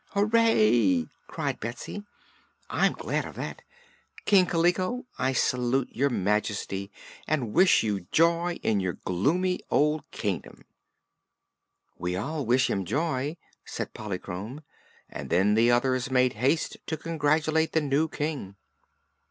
"Hooray!" cried Betsy; "I'm glad of that. King Kaliko, I salute Your Majesty and wish you joy in your gloomy old Kingdom!" "We all wish him joy," said Polychrome; and then the others made haste to congratulate the new King.